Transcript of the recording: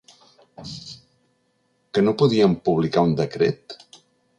Que no podíem publicar un decret?